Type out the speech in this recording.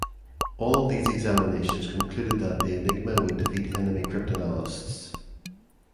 All these examinations concluded that the Enigma would defeat enemy cryptanalysts.